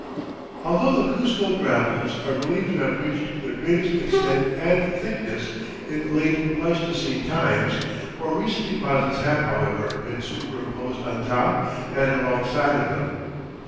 Although the "Cuzco gravels are believed to have reached their greatest extent and thickness in late Pleistocene times," more recent deposits have, however, been superimposed on top and alongside of them.